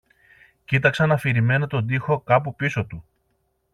κοίταξαν αφηρημένα τον τοίχο κάπου πίσω του